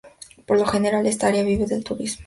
Por lo general, esta área vive del turismo.